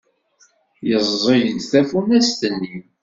Yeẓẓeg-d tafunast-nni.